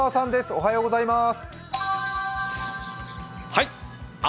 おはようございます！